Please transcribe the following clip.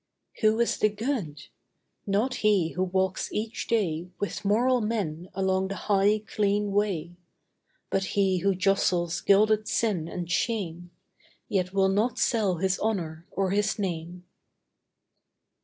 Who is the good? Not he who walks each day With moral men along the high, clean way; But he who jostles gilded sin and shame, Yet will not sell his honour or his name.